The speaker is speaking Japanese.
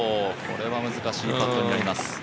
これは難しいパットになります。